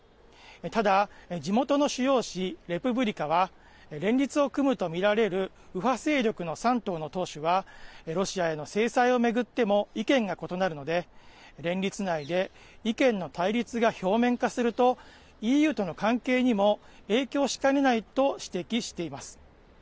ただ、地元の主要紙レプブリカは連立を組むと見られる右派勢力の３党の党首はロシアへの制裁を巡っても意見が異なるので連立内で意見の対立が表面化するとＥＵとの関係にも影響しかねないと指摘しています。